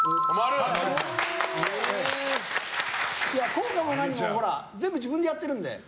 高価も何も、ほら全部自分でやってるので。